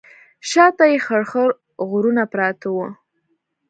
شا ته یې خړ خړ غرونه پراته وو.